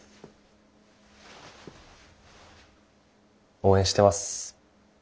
応援してます。